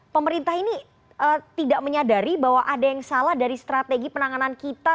pemerintah ini tidak menyadari bahwa ada yang salah dari strategi penanganan kita